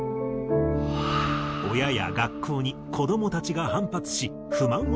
親や学校に子どもたちが反発し不満を抱えていた。